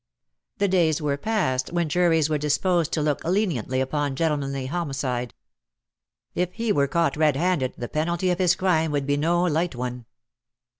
The days were past when juries were disposed to look leniently upon gentle manly homicide. If he were caught red handed^ the penalty of his crime would be no light one.